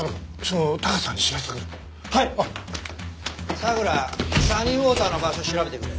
桜サニーウォーターの場所調べてくれ。